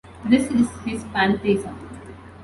This is his Pantheism.